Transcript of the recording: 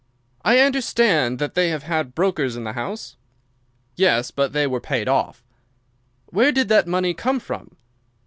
"I understand that they have had brokers in the house?" "Yes, but they were paid off." "Where did the money come from?"